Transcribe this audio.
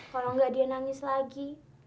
kalau nggak dia nangis lagi